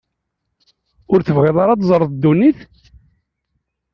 Ur tebɣiḍ ara ad teẓreḍ ddunit?